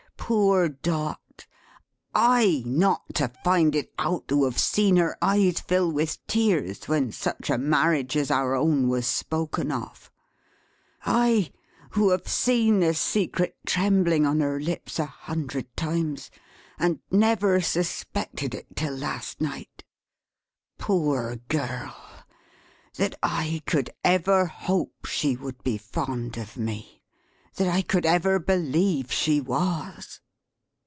Poor Dot! I not to find it out, who have seen her eyes fill with tears, when such a marriage as our own was spoken of! I, who have seen the secret trembling on her lips a hundred times, and never suspected it, till last night! Poor girl! That I could ever hope she would be fond of me! That I could ever believe she was!"